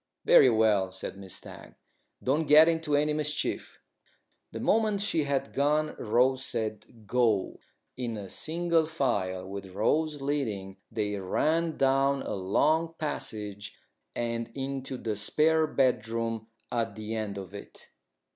"Very well," said Miss Stagg. "Don't get into any mischief." The moment she had gone Rose said "Go!" In single file, with Rose leading, they ran down a long passage and into the spare bedroom at the end of it.